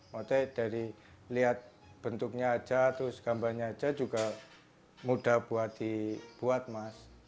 maksudnya dari lihat bentuknya aja terus gambarnya aja juga mudah buat dibuat mas